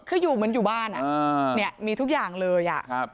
คืออยู่เหมือนอยู่บ้านมีทุกอย่างเลย